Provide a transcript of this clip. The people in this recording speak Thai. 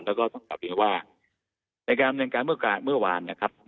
และก็ต้องกลับยังว่าในการบรรยากาศเมื่อวานนะครับ